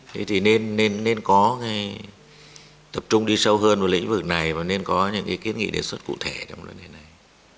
thế thì nên có tập trung đi sâu hơn vào lĩnh vực này và nên có những kiến nghị đề xuất cụ thể trong lần này